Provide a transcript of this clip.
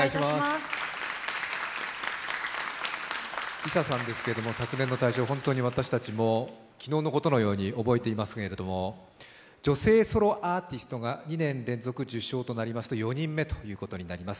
ＬｉＳＡさんですが、昨年の大賞私たちも昨日のことのように覚えていますけれども、女性ソロアーティストが２年連続受賞となりますと４人目ということになります。